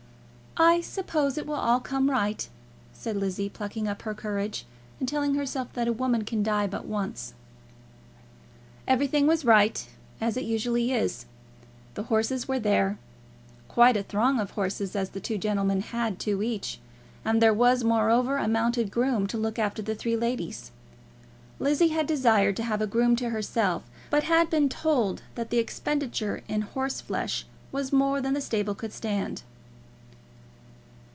"I suppose it will all come right," said Lizzie, plucking up her courage, and telling herself that a woman can die but once. Everything was right, as it usually is. The horses were there, quite a throng of horses, as the two gentlemen had two each; and there was, moreover, a mounted groom to look after the three ladies. Lizzie had desired to have a groom to herself, but had been told that the expenditure in horseflesh was more than the stable could stand.